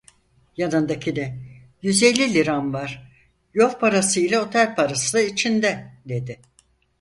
Yanındakine: "Yüz elli liram var, yol parası ile otel parası da içinde!" dedi.